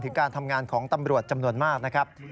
การทำงานของตำรวจจำนวนมากนะครับ